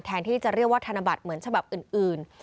ที่จะเรียกว่าธนบัตรเหมือนฉบับอื่น